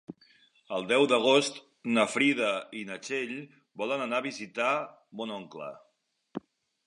El deu d'agost na Frida i na Txell volen anar a visitar mon oncle.